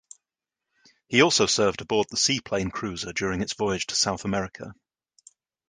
He also served aboard the seaplane cruiser during its voyage to South America.